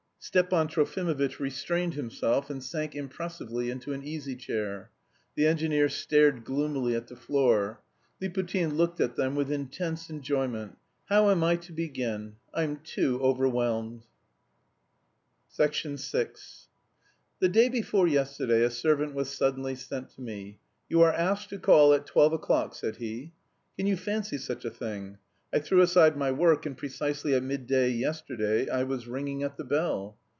Stepan Trofimovitch restrained himself and sank impressively into an easy chair. The engineer stared gloomily at the floor. Liputin looked at them with intense enjoyment, "How am I to begin?... I'm too overwhelmed...." VI "The day before yesterday a servant was suddenly sent to me: 'You are asked to call at twelve o'clock,' said he. Can you fancy such a thing? I threw aside my work, and precisely at midday yesterday I was ringing at the bell.